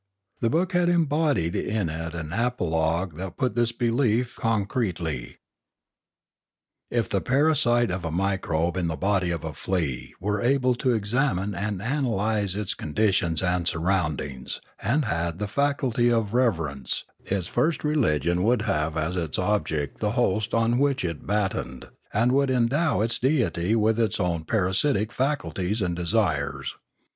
The book had embodied in it an apologue that put this belief concretely. If the parasite of a microbe in the body of a flea were able to examine and analyse its conditions and sur roundings and had the faculty of reverence, its first religion would have as its object the host on which it battened, and would endow its deity with its own parasitic faculties and desires.